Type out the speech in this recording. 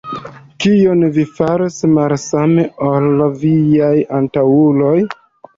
Kion vi farus malsame ol viaj antaŭuloj?